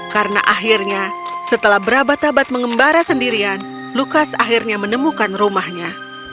karena akhirnya setelah berabad abad mengembara sendirian lukas akhirnya menemukan rumahnya